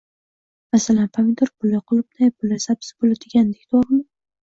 Masalan, “pomidor puli”, “qulupnay puli”, “sabzi puli” degandik, to‘g‘rimi?